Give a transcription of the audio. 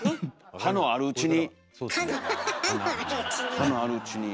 歯のあるうちに。